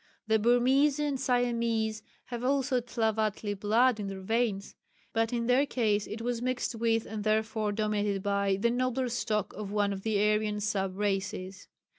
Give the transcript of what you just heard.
The Burmese and Siamese have also Tlavatli blood in their veins, but in their case it was mixed with, and therefore dominated by, the nobler stock of one of the Aryan sub races.